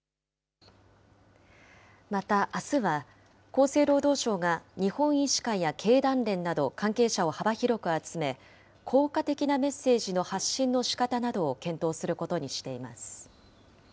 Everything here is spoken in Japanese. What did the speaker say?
また、あすは、厚生労働省が日本医師会や経団連など、関係者を幅広く集め、効果的なメッセージの発信のしかたなどを検討することにしています。